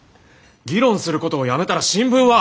議論することをやめたら新聞は。